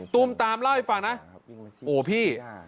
ตูมตามเล่าให้ฟังนะโอ้พี่